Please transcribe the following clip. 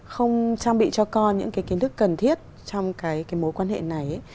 không trang bị cho con những cái kiến thức cần thiết trong cái mối quan hệ này